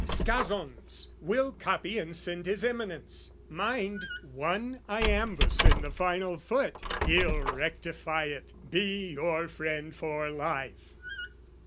"Scazons we'll copy and send his Eminence! "Mind one iambus in the final foot! "He'll rectify it, be your friend for life!"